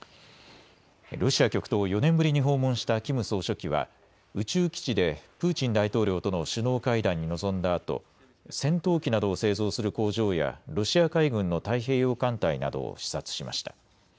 ロシア極東を４年ぶりに訪問したキム総書記は宇宙基地でプーチン大統領との首脳会談に臨んだあと戦闘機などを製造する工場やロシア海軍の太平洋艦隊などを視察しました。